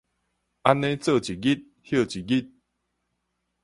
按呢做一日歇一日